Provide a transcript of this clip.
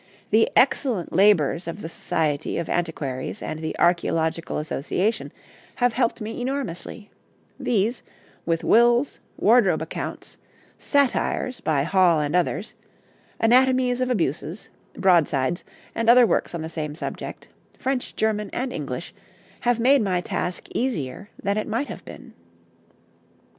The excellent labours of the Society of Antiquaries and the Archæological Association have helped me enormously; these, with wills, wardrobe accounts, 'Satires' by Hall and others, 'Anatomies of Abuses,' broadsides, and other works on the same subject, French, German, and English, have made my task easier than it might have been.